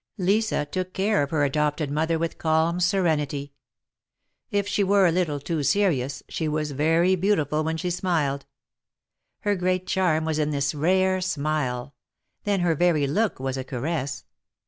Lisa took care of her adopted mother with calm serenity. If she were a little too serious, she was very beautiful when she smiled. Her great charm was in this rare smile; then her very look was a caress.